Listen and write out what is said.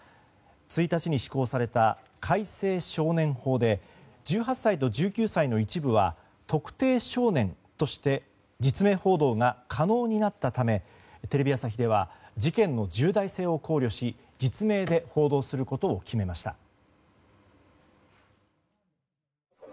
１日に施行された改正少年法で１８歳と１９歳の一部は特定少年として実名報道が可能になったためテレビ朝日では事件の重大性を考慮し実名で報道することを決めました。